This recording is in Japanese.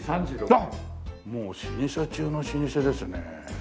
あっもう老舗中の老舗ですねえ。